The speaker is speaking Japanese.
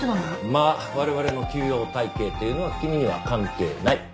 まあ我々の給与体系というのは君には関係ない。